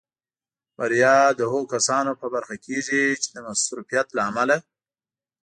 بریا د هغو کسانو په برخه کېږي چې د مصروفیت له امله.